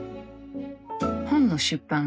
本の出版